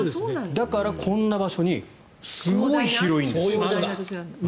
だから、こんな場所にすごい広いんですよ。